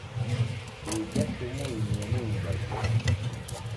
Ija sumu uinyue niyo imbwaghie.